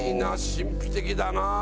神秘的だな。